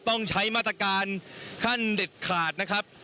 ต้องใช้มาตรการขั้นเด็ดขาดนะครับ